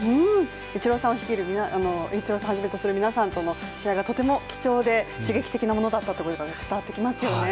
イチローさんをはじめとする皆さんのと試合がとても貴重で刺激的なものだったっていうことが伝わってきますよね。